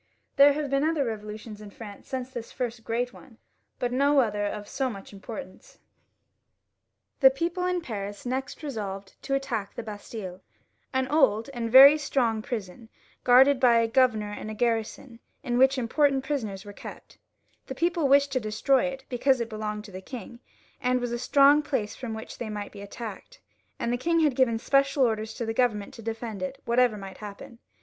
There have been other revolutions in Prance since this first great one, but no other of so much importance. The people in Paris next resolved to attack the Bastille, an old and very strong prison, guarded by a governor and garrison, in which important prisoners were kept, and which answered in some respects in Paris to the Tower in London. The people wished to destroy it, because it belonged to the king, and was a strong place from which they might be attacked ; and the king had given special orders to the Government to defend it, whatever might happen.